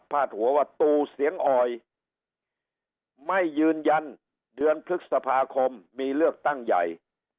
หัวว่าตูเสียงอ่อยไม่ยืนยันเดือนพฤษภาคมมีเลือกตั้งใหญ่